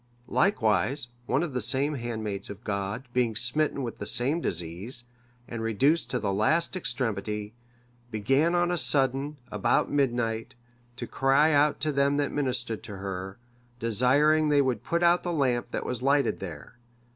Likewise, one of the same handmaids of God, being smitten with the same disease, and reduced to the last extremity, began on a sudden, about midnight, to cry out to them that ministered to her, desiring they would put out the lamp that was lighted there.